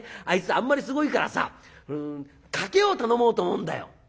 あいつあんまりすごいからさ賭けを頼もうと思うんだよ」。